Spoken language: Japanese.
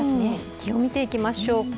気温を見ていきましょうか。